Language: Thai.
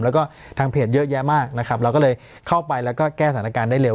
แล้วก็ทางเพจเยอะแยะมากนะครับเราก็เลยเข้าไปแล้วก็แก้สถานการณ์ได้เร็